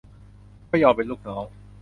ก็ยอมเป็นลูกน้อง